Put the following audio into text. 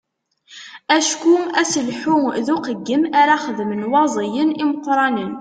Acku aselḥu d uqeyyem ara xedmen waẓiyen imeqqranen.